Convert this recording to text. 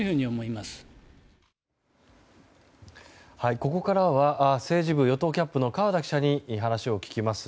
ここからは政治部与党キャップの河田記者に話を聞きます。